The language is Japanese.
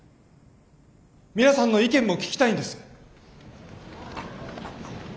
皆さんの意見も聞きたいんです。